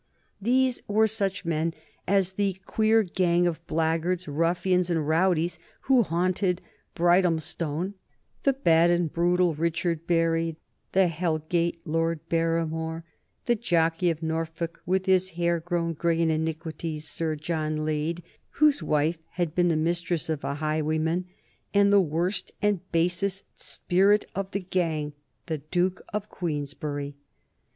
These were such men as the queer gang of blackguards, ruffians, and rowdies who haunted Brighthelmstone, the bad and brutal Richard Barry, the "Hellgate" Lord Barrymore; the Jockey of Norfolk, with his hair grown gray in iniquities; Sir John Lade, whose wife had been the mistress of a highwayman; and the worst and basest spirit of the gang, the Duke of Queensberry.